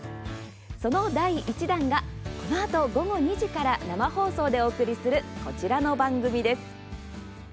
その第１弾がこのあと午後２時から生放送でお送りするこちらの番組です。